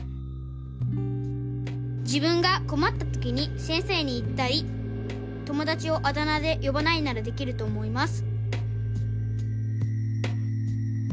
「自分がこまったときに先生に言ったり友だちをあだ名でよばないならできると思います」。